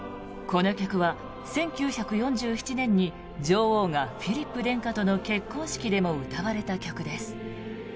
この曲は１９４７年に女王がフィリップ殿下との結婚式でも歌われた曲です。